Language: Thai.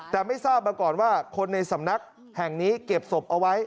แต่ไม่ทราบมาก่อนว่าคนในสำนักแห่งนี้เก็บศพเอาไว้